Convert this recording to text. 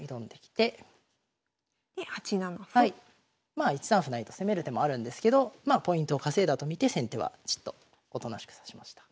まあ１三歩成と攻める手もあるんですけどまあポイントを稼いだと見て先手はじっとおとなしく指しました。